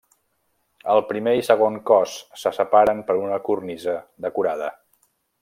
El primer i segon cos se separen per una cornisa decorada.